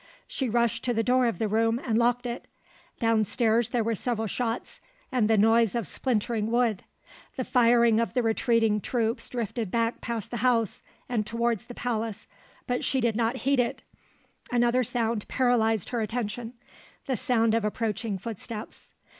She rushed to the door of the room and locked it. Down stairs there were several shots, and the noise of splintering wood. The firing of the retreating troops drifted back past the house and towards the palace; but she did not heed it; another sound paralysed her attention, the sound of approaching footsteps.